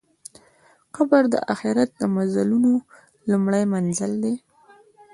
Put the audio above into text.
قبر د آخرت د منزلونو لومړی منزل دی.